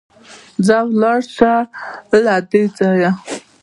ځه ولاړ شه له دې ځايه!